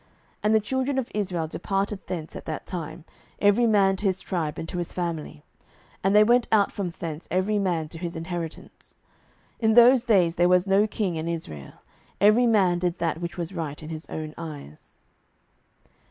07:021:024 And the children of Israel departed thence at that time, every man to his tribe and to his family, and they went out from thence every man to his inheritance. 07:021:025 In those days there was no king in Israel: every man did that which was right in his own eyes.